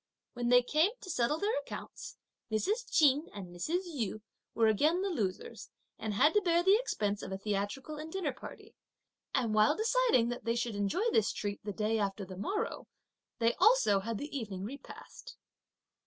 When they came to settle their accounts Mrs. Ch'in and Mrs. Yu were again the losers and had to bear the expense of a theatrical and dinner party; and while deciding that they should enjoy this treat the day after the morrow, they also had the evening repast.